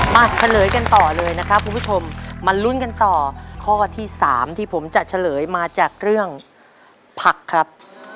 เฉลยกันต่อเลยนะครับคุณผู้ชมมาลุ้นกันต่อข้อที่๓ที่ผมจะเฉลยมาจากเรื่องผักครับ